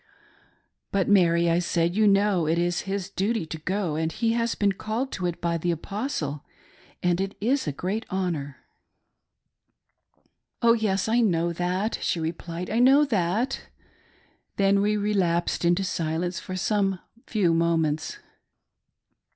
"But Mary," I said, "you know it is his duty to go, and he has been called to it by the Apostle, and it is a great honor." A STORY THAT WAS TOLD IN SECRET. 97 " Oh yes, I know that," she replied —" I know that." Then we relapsed into silence for some few moments.